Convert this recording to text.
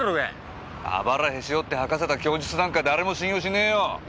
肋へし折って吐かせた供述なんか誰も信用しねえよ！